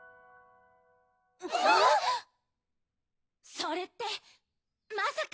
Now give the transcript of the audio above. それってまさか。